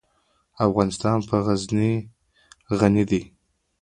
افغانستان په غزني غني دی.